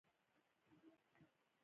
د قاضي لپاره څه شی اړین دی؟